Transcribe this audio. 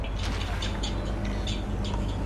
En la actualidad se utiliza para guardar la ovejas.